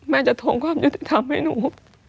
แม่จะทวงความยุติธรรมให้หนู